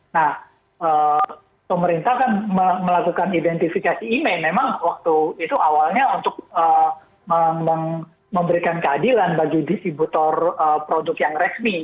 nah pemerintah kan melakukan identifikasi email memang waktu itu awalnya untuk memberikan keadilan bagi distributor produk yang resmi